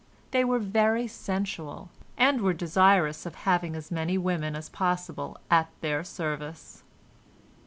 They were very sensual, and were desirous of having as many women as possible at their service."